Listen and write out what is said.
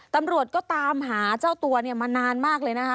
ตำรวจก็ตามหาเจ้าตัวเนี่ยมานานมากเลยนะคะ